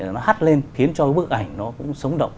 nó hắt lên khiến cho bức ảnh nó cũng sống động